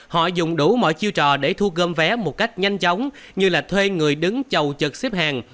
họ dùng đủ mọi chiêu trò để thu gom vé một cách nhanh chóng như là thuê người đứng đầu xếp hàng